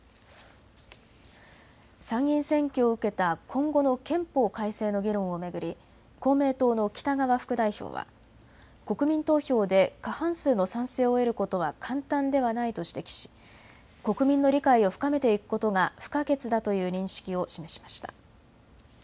参議院選挙を受けた今後の憲法改正の議論を巡り公明党の北側副代表は国民投票で過半数の賛成を得ることは簡単ではないと指摘し国民の理解を深めていくことが不可欠だという認識を示しました。